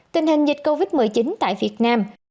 tình hình dịch covid một mươi chín tại việt nam